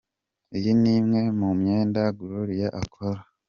Iyi ni imwe mu myenda Gloria akora.